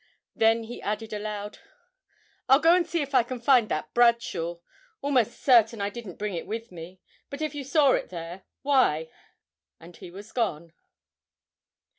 Then he added aloud, 'I'll go and see if I can find that Bradshaw. Almost certain I didn't bring it with me; but if you saw it there, why' and he was gone.